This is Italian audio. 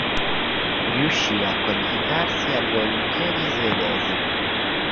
Riuscì a qualificarsi alle olimpiadi svedesi.